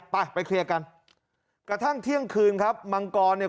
ไปไปเคลียร์กันกระทั่งเที่ยงคืนครับมังกรเนี่ย